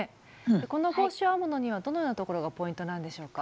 この帽子を編むのにはどのようなところがポイントなんでしょうか？